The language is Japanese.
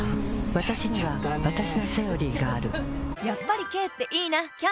わたしにはわたしの「セオリー」があるやっぱり軽っていいなキャンペーン